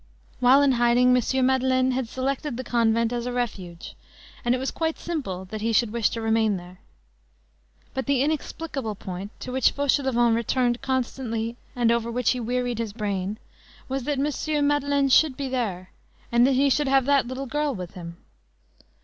While in hiding, M. Madeleine had selected the convent as a refuge, and it was quite simple that he should wish to remain there. But the inexplicable point, to which Fauchelevent returned constantly and over which he wearied his brain, was that M. Madeleine should be there, and that he should have that little girl with him.